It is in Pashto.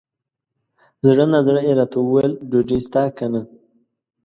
زړه نا زړه یې راته وویل ! ډوډۍ سته که نه؟